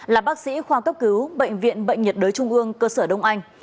là bác sĩ khoa cấp cứu bệnh viện bệnh nhiệt đới trung ương cơ sở đông anh